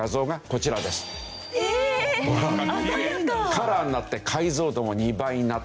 カラーになって解像度も２倍になった。